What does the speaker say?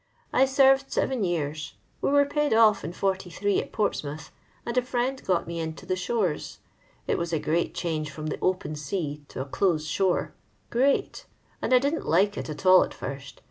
I served seven ycar^. AVe were pjiid off in '43 at Portsmouth, and a friend got me into the shores. It was a great change from the open sea to a close shore — great; and I didn't like it at all at first.